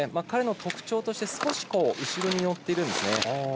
彼の特徴として少し後ろに寄っているんですね。